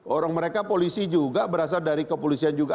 orang mereka polisi juga berasal dari kepolisian juga